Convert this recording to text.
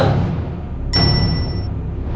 บัตรประชาชนของคุณยายจำรูน